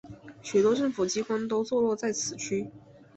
许多政府机关都座落在此区。